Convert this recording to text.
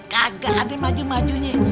kagak ada maju majunya